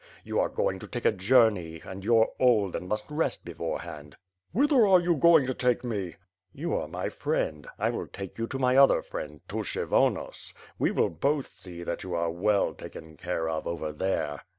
You are going to take a journey and you're old and must rest beforehand." "Whither are you going to take me?" ^TTou are my friend; I will take you to my other friend, to Kshyvonos. We will both see that you are well taken care of over there."